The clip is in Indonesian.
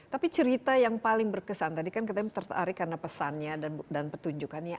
tapi cerita yang paling berkesan tadi kan kita tertarik karena pesannya dan petunjukannya